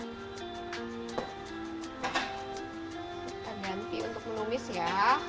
kita ganti untuk menumis ya